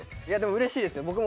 いやでもうれしいですよ。